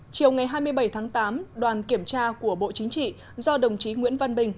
chiều ngày hai mươi bảy tháng tám đoàn kiểm tra của bộ chính trị do đồng chí nguyễn văn bình